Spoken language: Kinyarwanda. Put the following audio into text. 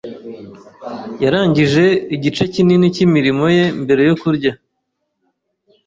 Yarangije igice kinini cyimirimo ye mbere yo kurya.